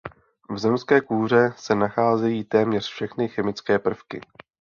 V zemské kůře se nacházejí téměř všechny chemické prvky.